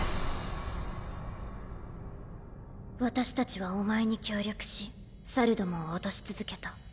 私たちはお前に協力し猿どもを落とし続けた。